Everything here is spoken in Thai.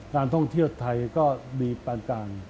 การท่องเที่ยวไทยก็ดีต่าง